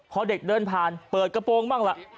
พอเด็กเดินผ่านเปิดกระโปรงบ้างล่ะ